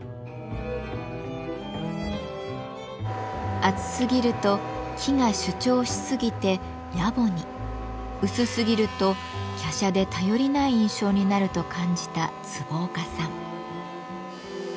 厚すぎると木が主張しすぎてやぼに薄すぎるときゃしゃで頼りない印象になると感じた坪岡さん。